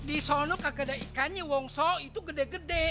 di solo kagak ada ikannya wongso itu gede gede